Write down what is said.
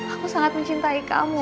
aku sangat mencintai kamu